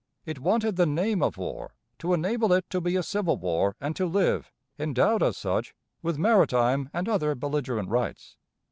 It wanted the name of war to enable it to be a civil war and to live, endowed as such, with maritime and other belligerent rights.